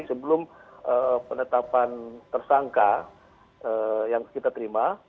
sebelum penetapan tersangka yang kita terima